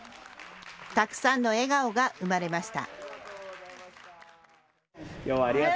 たくさんの笑顔が生まれました。